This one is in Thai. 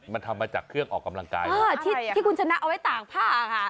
มันทำมาจากเครื่องออกกำลังกายที่คุณชนะเอาไว้ตากผ้าค่ะ